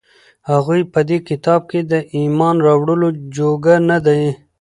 هغوى په دې كتاب د ايمان راوړلو جوگه نه دي،